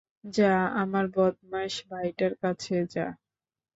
যা, আমার বদমাইশ ভাইটার কাছে যা!